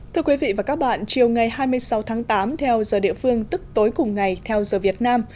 thưa quý vị và các bạn chiều ngày hai mươi sáu tháng tám theo giờ địa phương tức tối cùng ngày theo giờ việt nam